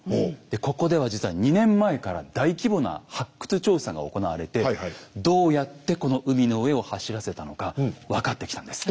でここでは実は２年前から大規模な発掘調査が行われてどうやってこの海の上を走らせたのか分かってきたんです。